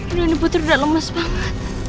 udah dibutuh udah lemes banget